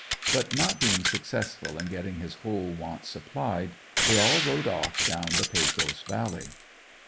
But not being successful in getting his whole wants supplied, they all rode off down the Pecos valley.